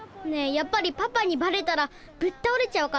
やっぱりパパにばれたらぶったおれちゃうかな？